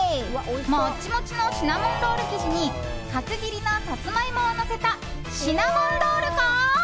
モッチモチのシナモンロール生地に角切りのサツマイモをのせたシナモンロールか。